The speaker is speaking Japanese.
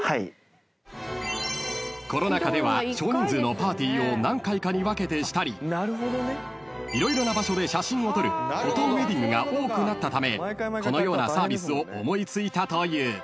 ［コロナ禍では少人数のパーティーを何回かに分けてしたり色々な場所で写真を撮るフォトウエディングが多くなったためこのようなサービスを思い付いたという］